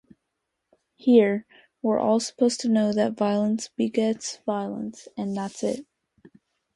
Here, we're all supposed to know that violence begets violence, and that's it.